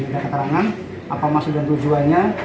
tidak ada keterangan apa maksud dan tujuannya